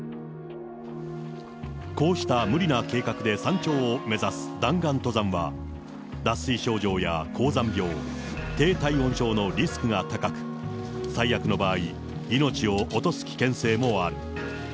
こうした無理な計画で山頂を目指す弾丸登山は、脱水症状や高山病、低体温症のリスクが高く、最悪の場合、命を落とす危険性もある。